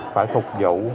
phải phục vụ